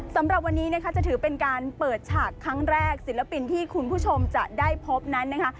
สำหรับวันนี้นะคะจะถือเป็นการเปิดฉากครั้งแรกศิลปินที่คุณผู้ชมจะได้พบนั้นนะคะ